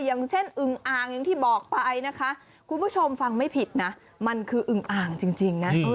อย่างเช่นอึงอ่างอย่างที่บอกไปนะคะคุณผู้ชมฟังไม่ผิดนะมันคืออึงอ่างจริงนะ